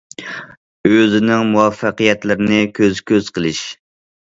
ئۆزىنىڭ مۇۋەپپەقىيەتلىرىنى كۆز- كۆز قىلىش.